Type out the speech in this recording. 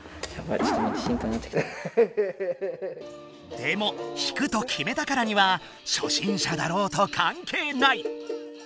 でも弾くと決めたからには初心者だろうとかんけいない！